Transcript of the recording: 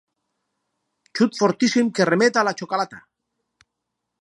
Xut fortíssim que remet a la xocolata.